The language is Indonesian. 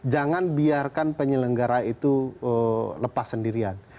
jangan biarkan penyelenggara itu lepas sendirian